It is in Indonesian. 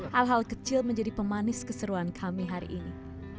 hal hal kecil menjadi pemanis keseruan kami hari ini